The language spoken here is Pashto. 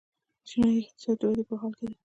چینايي اقتصاد د ودې په حال کې دی.